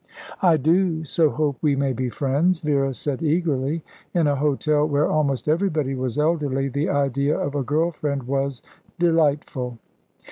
"I do so hope we may be friends," Vera said eagerly. In a hotel where almost everybody was elderly, the idea of a girl friend was delightful.